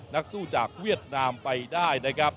นักสู้จากเวียดนามไปได้นะครับ